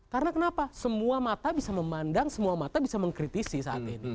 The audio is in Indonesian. karena kenapa semua mata bisa memandang semua mata bisa mengkritisi saat ini